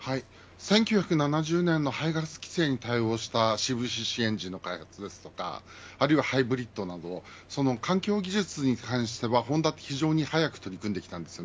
１９７０年の排ガス規制に対応したＣＶＣＣエンジンの開発やあるいはハイブリッドなどの環境技術に関してホンダは非常に早く取り組んできたんです。